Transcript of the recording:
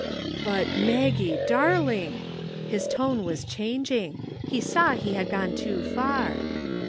"'But, Maggie, darling!' His tone was changing. He saw he had gone too far.